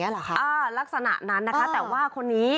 เหรอคะอ่าลักษณะนั้นนะคะแต่ว่าคนนี้